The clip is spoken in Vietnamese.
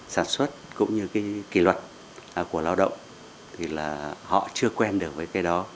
sản xuất cũng như cái kỷ luật của lao động thì là họ chưa quen được với cái đó